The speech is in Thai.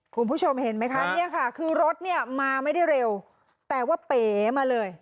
คุณผู้ชมเห็นไหมคะเนี่ยค่ะคือรถเนี่ยมาไม่ได้เร็วแต่ว่าเป๋มาเลย